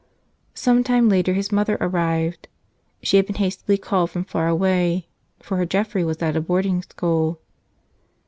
Some time later his mother arrived. She had been hastily called from far away, for her Godfrey was at a boarding school.